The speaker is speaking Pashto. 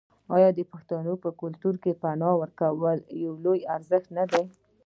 آیا د پښتنو په کلتور کې د پنا ورکول لوی ارزښت نه دی؟